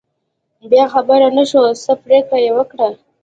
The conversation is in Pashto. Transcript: بیا خبر نشو، څه پرېکړه یې وکړه.